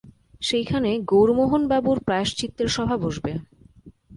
সেইখানে গৌরমোহনবাবুর প্রায়শ্চিত্তের সভা বসবে।